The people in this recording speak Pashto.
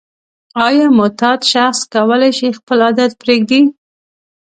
آیا معتاد شخص کولای شي چې خپل عادت پریږدي؟